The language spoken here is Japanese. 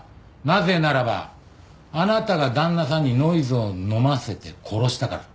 なぜならばあなたが旦那さんにノイズを飲ませて殺したから。